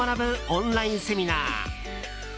オンラインセミナー。